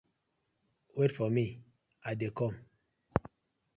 Wait for mi I dey kom.